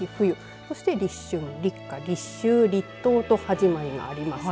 そして立春、立夏、立秋、立冬とはじまりがあります。